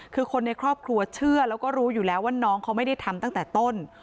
คือคนในครอบครัวเชื่อแล้วก็รู้อยู่แล้วว่าน้องเขาไม่ได้ทำตั้งแต่ต้น